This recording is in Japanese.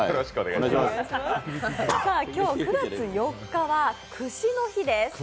今日９月４日は串の日です。